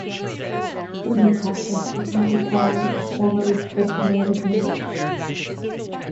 Hoodoo practice does not require a formally designated minister.